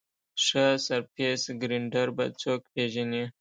ښه سرفېس ګرېنډر به څوک پېژني ؟